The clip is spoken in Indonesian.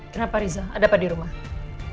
kenapa rizal ada apa di rumah